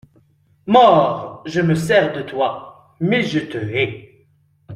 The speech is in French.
Mort, je me sers de toi, mais je te hais.